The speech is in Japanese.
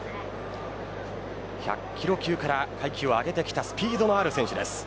１００キロ級から階級を上げてきたスピードのある選手です。